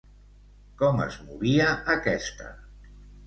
Com es movia aquesta?